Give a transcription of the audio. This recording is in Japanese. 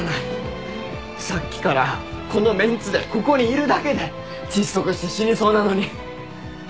さっきからこのメンツでここにいるだけで窒息して死にそうなのに。